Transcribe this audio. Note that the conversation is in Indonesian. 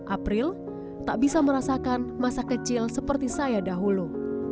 april tak bisa merasakan masa kecil seperti saya dahulu